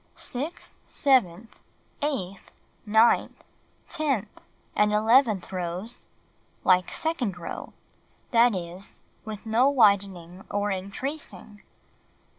Sixth, seventh, eighth, ninth, tenth and eleventh rows: Like second row — that is, with no widening or increasing.